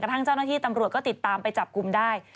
ทั้งเจ้าหน้าที่ตำรวจก็ติดตามไปจับกลุ่มได้